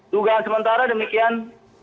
dugaan sementara demikian